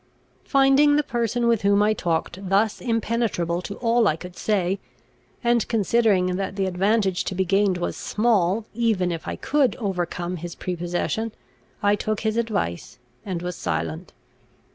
Finding the person with whom I talked thus impenetrable to all I could say, and considering that the advantage to be gained was small, even if I could overcome his prepossession, I took his advice, and was silent.